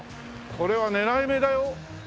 これは狙い目だよ。